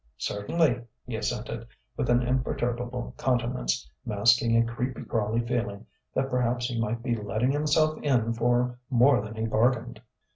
"Certainly," he assented, with an imperturbable countenance masking a creepy, crawly feeling that perhaps he might be letting himself in for more than he bargained.